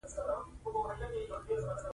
موږ د سوپرمارکیټونو او لویو پلورنځیو شوق درلود